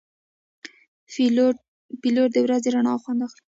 پیلوټ د ورځې رڼا خوند اخلي.